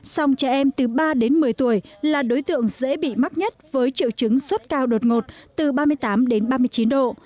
song trẻ em từ ba đến một mươi tuổi là đối tượng dễ bị mắc nhất với triệu chứng sốt cao đột ngột từ ba mươi tám đến ba mươi chín độ